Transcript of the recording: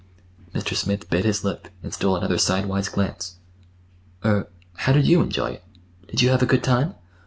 Mr. Smith bit his lip, and stole another sidewise glance. "Er—how did you enjoy it? Did you have a good time?"